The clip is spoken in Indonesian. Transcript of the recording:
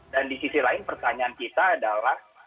dan di sisi lain pertanyaan kita adalah